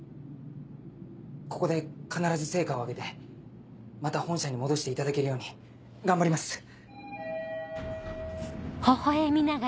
ここで必ず成果を上げてまた本社に戻していただけるように頑張ります。